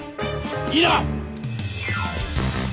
いいな！